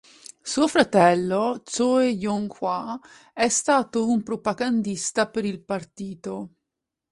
Suo fratello, Choe Yong-hwa, è stato un propagandista per il Partito.